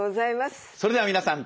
それでは皆さん